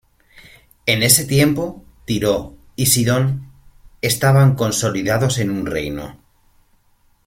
En este tiempo, Tiro y Sidón estaban consolidados en un reino.